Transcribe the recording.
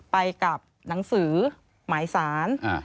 ไปกับหนังสือหมายสาร